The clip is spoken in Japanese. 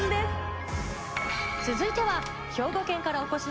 続いては。